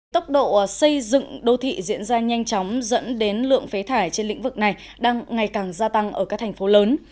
tốc độ xây dựng đô thị diễn ra nhanh chóng dẫn đến lượng phế thải trên lĩnh vực này đang ngày càng gia tăng ở các thành phố lớn